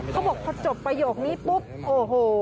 เขาบอกพอจบประโยคนี้ปุ๊บโอ้โห